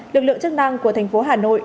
lực lượng chức năng của thành phố hà nội